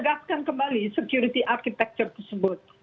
jadi kita kembali ke security architecture tersebut